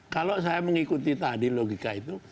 kalau saya mengikuti tadi logika itu